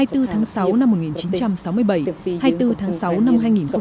hai mươi bốn tháng sáu năm một nghìn chín trăm sáu mươi bảy hai mươi bốn tháng sáu năm hai nghìn một mươi chín